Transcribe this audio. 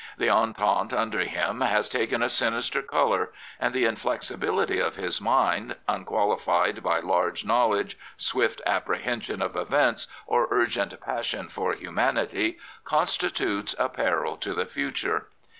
The entente under him has taken a sinister colour, and the inflexibility of his mind, unqualified by large knowledge, swift appre hension of events or urgent passion for humanity, constitutes a peril to the future.